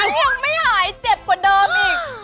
ยังไม่หายเจ็บกว่าเดิมอีก